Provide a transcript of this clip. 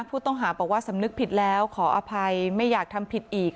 ผู้ต้องหาบอกว่าสำนึกผิดแล้วขออภัยไม่อยากทำผิดอีก